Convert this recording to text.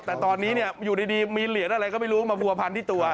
แต่ตอนนี้อยู่ดีมีเหรียญอะไรก็ไม่รู้มาบัวพันที่ตัว